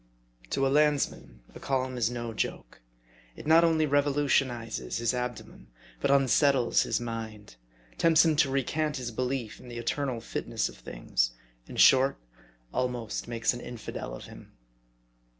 To a landsman a calm is no joke. It not only revolu tionizes his abdomen, but unsettles his mind ; tempts him to recant his belief in the eternal fitness of things ; in short, almost makes an infidel of him.